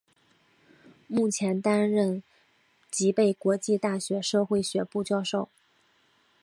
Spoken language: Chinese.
目前担任吉备国际大学社会学部教授。